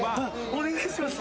お願いします